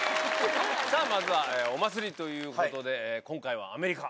さぁまずは「お祭り」ということで今回はアメリカ。